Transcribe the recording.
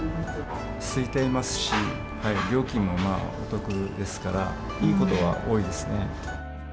すいていますし、料金もお得ですから、いいことが多いですね。